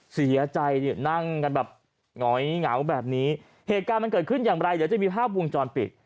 เสียใจเนี่ยนั่งกันแบบหงอยเหงาแบบนี้เหตุการณ์มันเกิดขึ้นอย่างไรเดี๋ยวจะมีภาพวงจรปิด